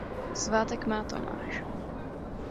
Svátek má Tomáš.